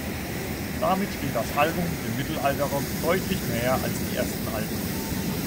Damit steht das Album dem Mittelalterrock deutlich näher als die ersten Alben.